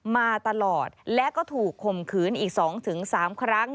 มาตลอดและก็ถูกข่มขืนอีก๒๓ครั้ง